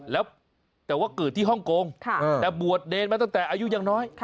แล้วแต่ว่าเกิดที่ฮ่องกงแต่บวชเนรมาตั้งแต่อายุยังน้อย